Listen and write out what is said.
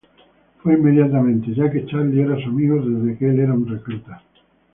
Fue inmediatamente, ya que Charlie era su amigo desde que el era un recluta.